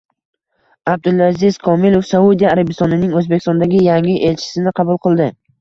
Abdulaziz Komilov Saudiya Arabistonining O‘zbekistondagi yangi elchisini qabul qildi